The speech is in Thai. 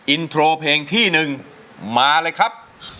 อินโทรเพลงที่๑มาเลยครับ